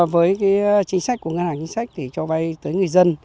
với chính sách của ngân hàng chính sách thì cho vay tới người dân